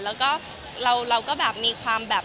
แล้วก็เราก็แบบมีความแบบ